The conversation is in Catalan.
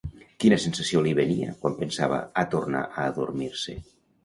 Quina sensació li venia quan pensava a tornar a adormir-se?